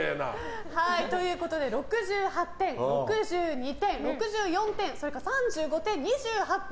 ６８点、６２点、６４点それから３５点、２８点。